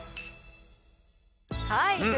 はい。